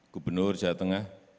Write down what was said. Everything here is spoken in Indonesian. gubernur jawa tengah